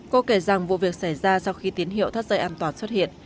cô kể rằng vụ việc xảy ra sau khi tín hiệu thắt dây an toàn xuất hiện